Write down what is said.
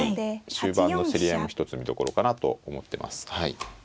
終盤の競り合いも一つ見どころかなと思ってます。